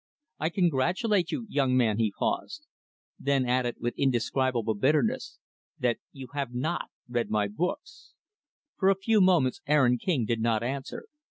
I congratulate you, young man" he paused; then added with indescribable bitterness "that you have not read my books." For a few moments, Aaron King did not answer.